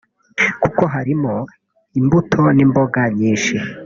kuko harimo imbuto n’imboga nyinshi